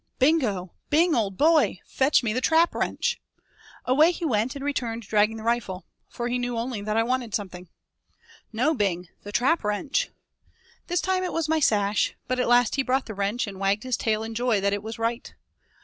"Bingo Bing old boy Fetch me the trap wrench!" Away he went and returned dragging the rifle, for he knew only that I wanted something. "No Bing the trap wrench." This time it was my sash, but at last he brought the wrench and wagged his tail in joy that it was right.